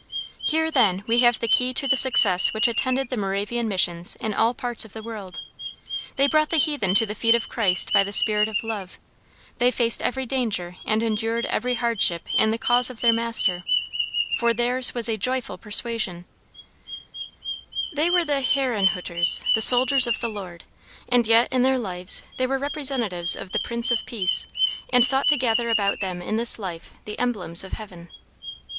Here, then, we have the key to the success which attended the Moravian Missions in all parts of the world. They brought the heathen to the feet of Christ by the spirit of love; they faced every danger and endured every hardship in the cause of their Master, for theirs' was a joyful persuasion. They were the "Herrenhutters," the soldiers of the Lord, and yet in their lives they were representatives of the Prince of Peace, and sought to gather about them in this life the emblems of heaven.